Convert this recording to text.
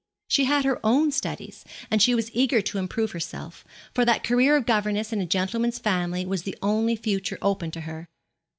She had her own studies, and she was eager to improve herself, for that career of governess in a gentleman's family was the only future open to her.